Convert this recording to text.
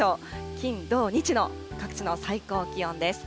金、土、日の各地の最高気温です。